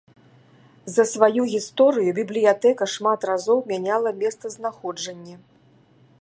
За сваю гісторыю бібліятэка шмат разоў мяняла месцазнаходжанне.